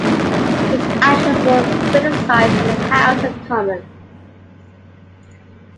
His actions were criticised in the House of Commons.